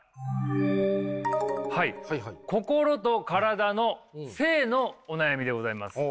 はい心と体の性のお悩みでございます。